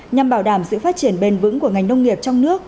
nhằm bảo đảm sự phát triển bền vững của ngành nông nghiệp trong nước